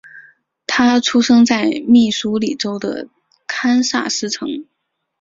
他出生在密苏里州的堪萨斯城。